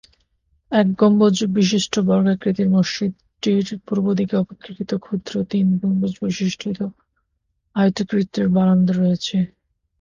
এক গম্বুজবিশিষ্ট বর্গাকৃতির মসজিদটির পূর্বদিকে অপেক্ষাকৃত ক্ষুদ্র তিন গম্বুজবিশিষ্ট আয়তাকৃতির বারান্দা রয়েছে।